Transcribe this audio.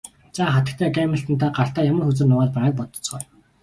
За хатагтай Гамильтон та гартаа ямар хөзөр нуугаад байгааг бодоцгооё.